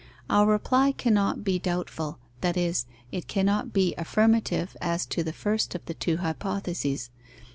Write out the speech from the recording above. Our reply cannot be doubtful, that is, it cannot be affirmative as to the first of the two hypotheses.